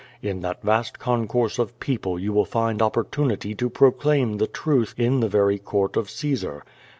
In that \ast concourse of people you will find opportunity to pro chum the truth in the very court of Caesar.